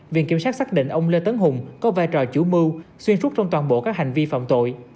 viện kiểm sát xác định ông lê tấn hùng có vai trò chủ mưu xuyên suốt trong toàn bộ các hành vi phạm tội